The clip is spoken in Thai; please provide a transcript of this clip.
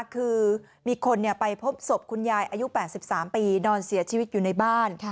คือมีคนไปพบศพคุณยายอายุ๘๓ปีนอนเสียชีวิตอยู่ในบ้าน